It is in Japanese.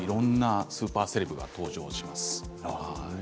いろんなスーパーセレブが登場します。